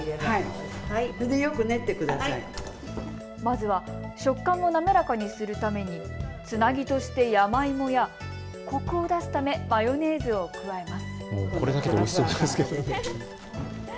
まずは食感を滑らかにするためにつなぎとして山芋やコクを出すためマヨネーズを加えます。